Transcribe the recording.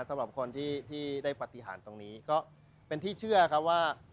สำหรับคนที่ได้ปฏิหารตรงนี้ก็เป็นที่เชื่อครับว่า